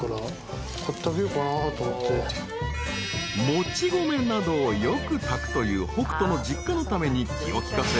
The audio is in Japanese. ［もち米などをよく炊くという北斗の実家のために気を利かせ］